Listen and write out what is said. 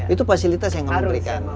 itu fasilitas yang harus diberikan